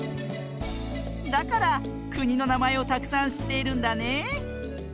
だからくにのなまえをたくさんしっているんだね！